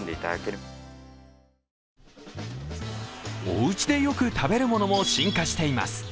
おうちでよく食べるものも進化しています。